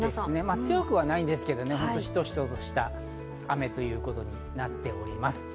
強くはないですけど、しとしととした雨となっております。